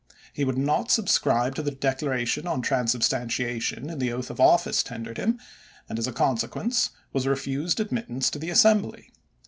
He would not subscribe to the declaration on Transubstantiation in the oath of office tendered him, and as a consequence was refused admittance to the Assembly.